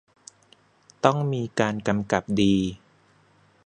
ต้องมีการกำกับดี